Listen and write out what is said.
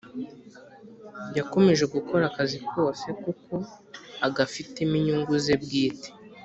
Yakomeje gukora akazi kose kuko agafitemo inyungu ze bwite